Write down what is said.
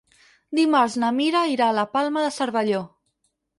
Dimarts na Mira irà a la Palma de Cervelló.